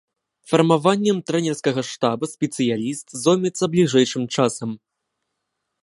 Фармаваннем трэнерскага штаба спецыяліст зоймецца бліжэйшым часам.